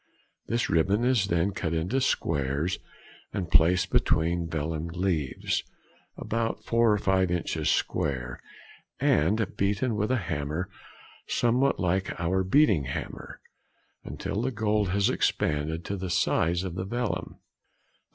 This ribbon is then cut into squares and placed between vellum leaves, about four or five inches square, and beaten with a hammer somewhat like our beating hammer, until the gold has expanded to the size of the vellum.